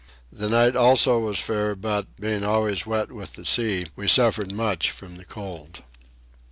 The night also was fair but, being always wet with the sea, we suffered much from the cold.